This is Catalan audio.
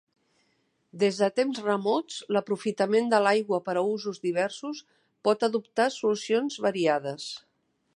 Des de temps remots, l’aprofitament de l’aigua per a usos diversos pot adoptar solucions variades.